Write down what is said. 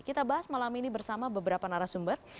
kita bahas malam ini bersama beberapa narasumber